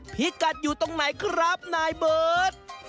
พี่กัดอยู่ตรงไหนครับนายเบิร์ต